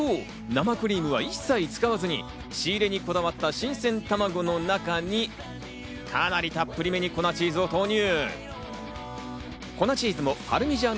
生クリームは一切使わずに仕入れにこだわった新鮮卵の中にかなりたっぷりめに粉チーズを投入。